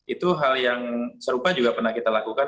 itu hal yang serupa juga pernah kita lakukan